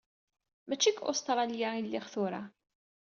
Mačči deg Ustṛalya i lliɣ tura.